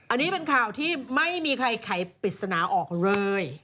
อันนี้เป็นข่าวที่ไม่มีใครไขปริศนาออกเลย